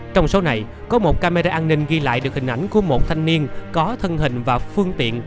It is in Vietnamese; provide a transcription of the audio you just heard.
trong số này có một camera an ninh ghi lại được hình ảnh của một thanh niên có thân hình và phương tiện